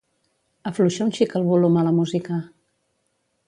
Afluixa un xic el volum a la música.